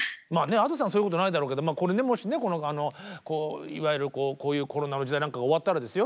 Ａｄｏさんはそういうことないだろうけどこれねもしねいわゆるこういうコロナの時代なんかが終わったらですよ